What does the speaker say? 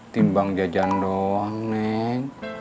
timbang jajan doang neng